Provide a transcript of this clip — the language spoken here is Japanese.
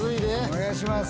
お願いします。